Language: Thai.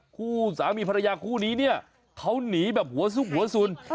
คู่สามีภรรยาคู่นี้เนี่ยเขาหนีแบบหัวซุกหัวสุน